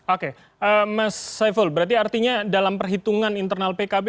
oke mas saiful berarti artinya dalam perhitungan internal pkb